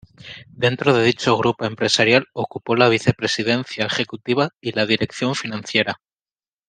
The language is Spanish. Dentro de dicho grupo empresarial ocupó la vicepresidencia ejecutiva y la dirección financiera.